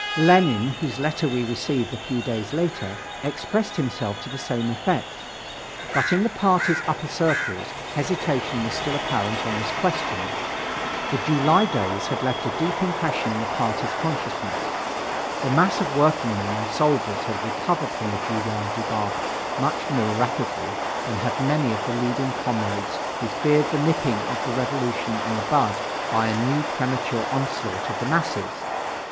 Lenin, whose letter we received a few days later, expressed himself to the same effect. But in the party's upper circles hesitation was still apparent on this question. The July days had left a deep impression in the party's consciousness. The mass of workingmen and soldiers had recovered from the July debacle much more rapidly than had many of the leading comrades who feared the nipping of the Revolution in the bud by a new premature onslaught of the masses.